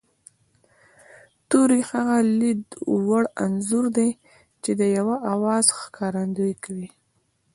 توری هغه لید وړ انځور دی چې د یوه آواز ښکارندويي کوي